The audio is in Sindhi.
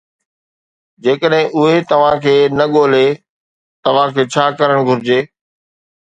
جيڪڏهن اهي توهان کي نه ڳولي، توهان کي ڇا ڪرڻ گهرجي؟